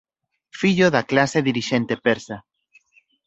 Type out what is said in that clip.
Fillo da clase dirixente persa.